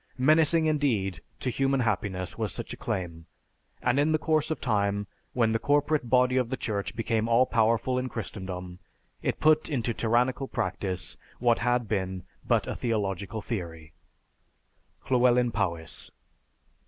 Menacing indeed to human happiness was such a claim, and in the course of time when the corporate body of the church became all powerful in Christendom, it put into tyrannical practice what had been but a theological theory_. LLEWELYN POWYS.